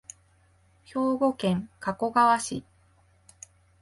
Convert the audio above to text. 兵庫県加古川市